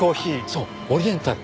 そうオリエンタル！